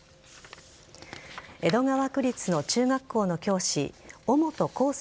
江戸川区立小中学校の教師尾本幸祐